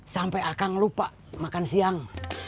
sampai akan lupa makan siang